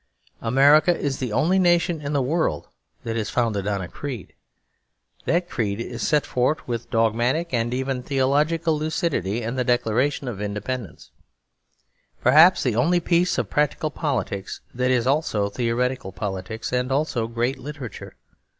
America is the only nation in the world that is founded on a creed. That creed is set forth with dogmatic and even theological lucidity in the Declaration of Independence; perhaps the only piece of practical politics that is also theoretical politics and also great literature.